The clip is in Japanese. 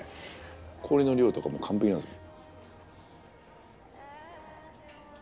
氷の量とかも完璧なんですよ。